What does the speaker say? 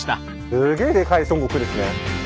すげえでかい孫悟空ですね。